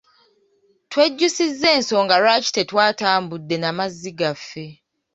Twejjusizza ensonga lwaki tetwatambudde na mazzi gaffe.